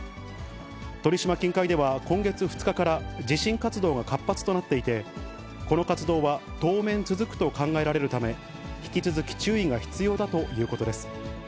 鳥島近海では、今月２日から地震活動が活発となっていて、この活動は当面続くと考えられるため、引き続き注意が必要だということです。